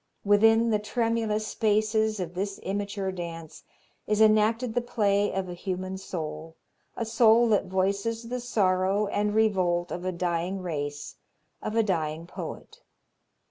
Within the tremulous spaces of this immature dance is enacted the play of a human soul, a soul that voices the sorrow and revolt of a dying race, of a dying poet.